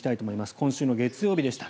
今週の月曜日でした。